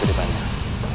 terima kasih pak